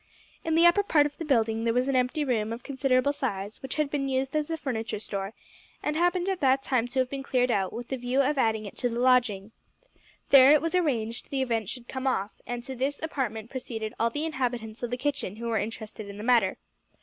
In the upper part of the building there was an empty room of considerable size which had been used as a furniture store, and happened at that time to have been cleared out, with the view of adding it to the lodging. There, it was arranged, the event should come off, and to this apartment proceeded all the inhabitants of the kitchen who were interested in the matter.